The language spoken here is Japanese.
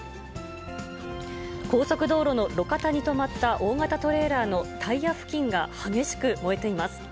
高速道路の路肩に止まった大型トレーラーのタイヤ付近が激しく燃えています。